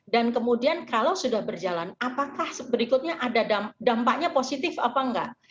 dan kemudian kalau sudah berjalan apakah berikutnya ada dampaknya positif apa enggak